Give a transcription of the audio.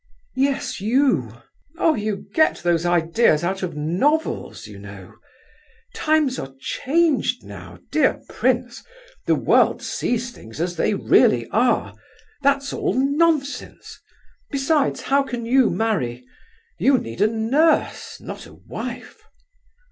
"Yes, you." "Oh, you get those ideas out of novels, you know. Times are changed now, dear prince; the world sees things as they really are. That's all nonsense. Besides, how can you marry? You need a nurse, not a wife."